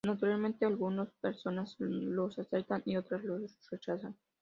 Naturalmente algunas personas los aceptan y otras los rechazan.